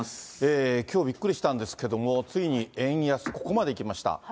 きょう、びっくりしたんですけれども、ついに円安ここまできました。